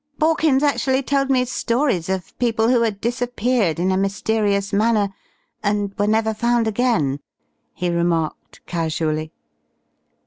"Borkins actually told me stories of people who had disappeared in a mysterious manner and were never found again," he remarked casually.